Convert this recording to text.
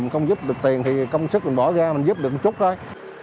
không giúp được tiền thì công sức mình bỏ ra mình giúp được một chút thôi